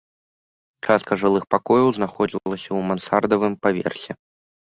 Частка жылых пакояў знаходзілася ў мансардавым паверсе.